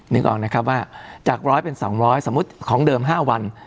นึกออกนะครับว่าจาก๑๐๐เป็น๒๐๐สมมุติของเดิม๕วัน